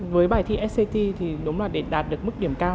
với bài thi sct thì đúng là để đạt được mức điểm cao